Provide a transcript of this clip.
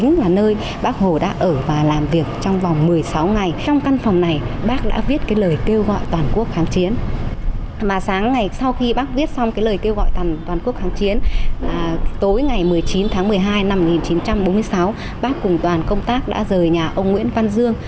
năm một nghìn chín trăm bốn mươi sáu bác cùng đoàn công tác đã rời nhà ông nguyễn văn dương